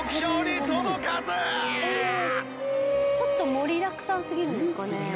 ちょっと盛りだくさんすぎるんですかね。